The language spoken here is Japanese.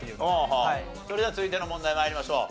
それでは続いての問題参りましょう。